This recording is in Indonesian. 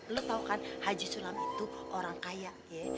lo tau kan haji sulam itu orang kaya ya